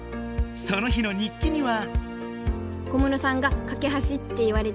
その日の日記には。